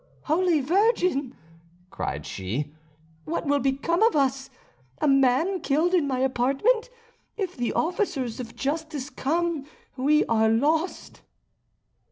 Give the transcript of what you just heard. "Holy Virgin!" cried she, "what will become of us? A man killed in my apartment! If the officers of justice come, we are lost!"